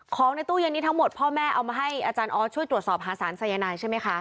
ของในตู้เย็นนี้ทั้งหมดพ่อแม่เอามาให้อาจารย์ออสช่วยตรวจสอบหาสารสายนายใช่ไหมคะ